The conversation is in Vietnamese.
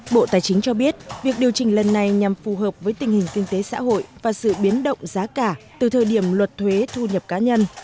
bộ tài chính cho biết việc điều chỉnh lần này nhằm phù hợp với tình hình kinh tế xã hội và sự biến động giá cả từ thời điểm luật thuế thu nhập cá nhân